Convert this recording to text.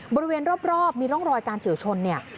บริเวณรอบมีร่องรอยการเฉียวชนเนี่ย